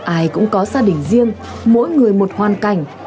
ai cũng có gia đình riêng mỗi người một hoàn cảnh